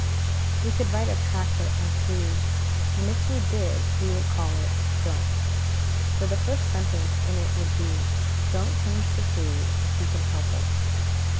We could write a tractlet on foods, and if we did we would call it "Don't," for the first sentence in it would be, "Don't change the food if you can help it."